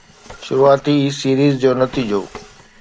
شروعاتي سيريز جو نتيجو